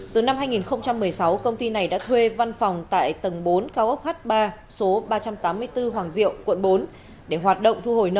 từ năm hai nghìn một mươi sáu công ty này đã thuê văn phòng tại tầng bốn cao ốc h ba số ba trăm tám mươi bốn hoàng diệu quận bốn để hoạt động thu hồi nợ